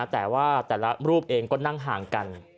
แต่ว่าแต่ละรูปเองก็นั่งห่างกัน